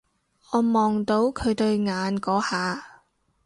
我望到佢對眼嗰下